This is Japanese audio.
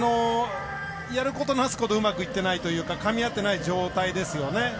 やることなすことうまくいってないというかかみ合ってない状態ですよね。